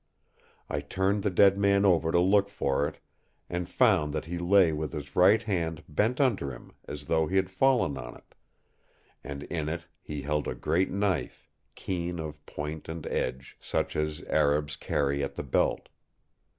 I turned the dead man over to look for it, and found that he lay with his right hand bent under him as though he had fallen on it; and in it he held a great knife, keen of point and edge, such as Arabs carry at the belt.